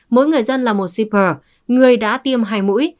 mỗi người dân là một shipper người đã tiêm hai mũi